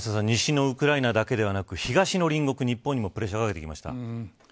西のウクライナだけではなく東の隣国、日本にもプレッシャーをかけてきました。